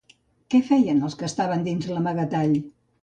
Què feien els que estaven dins l'amagatall?